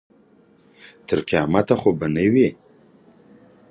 تر قیامته خو به نه وي.